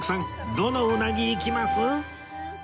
どのうなぎいきます？